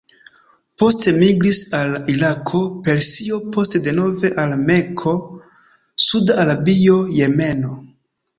Poste migris al Irako, Persio, poste denove al Mekko, Sud-Arabio, Jemeno.